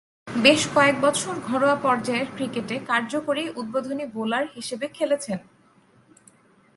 বেশ কয়েকবছর ঘরোয়া পর্যায়ের ক্রিকেটে কার্যকরী উদ্বোধনী বোলার হিসেবে খেলেছেন।